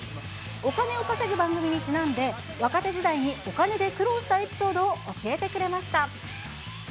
お金を稼ぐ番組にちなんで、若手時代にお金で苦労したエピソードを教えてくれました。